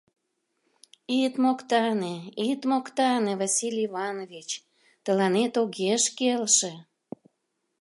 — Ит моктане, ит моктане, Василий Иванович, тыланет огеш келше...